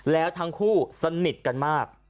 แล้วทั้งคู่สนิทกันมาก